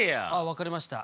わかりました。